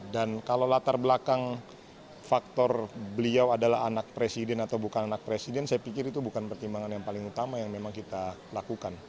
dan kalau latar belakang faktor beliau adalah anak presiden atau bukan anak presiden saya pikir itu bukan pertimbangan yang paling utama yang memang kita lakukan